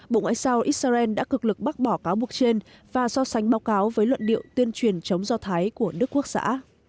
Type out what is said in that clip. bộ ngoại giao israel đã cực lực bác bỏ cáo buộc trên và so sánh báo cáo với luận điệu tuyên truyền chống do thái của đức quốc xã